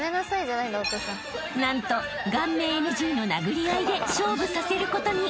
［何と顔面ＮＧの殴り合いで勝負させることに！］